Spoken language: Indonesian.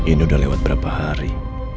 ini sudah lewat beberapa hari